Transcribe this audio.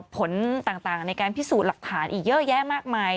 ผลต่างในการพิสูจน์หลักฐานอีกเยอะแยะมากมาย